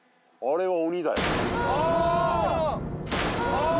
ああ！